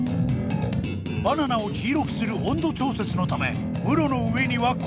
バナナを黄色くする温度調節のため室の上には氷。